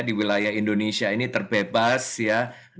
di wilayah indonesia ini terbebas ya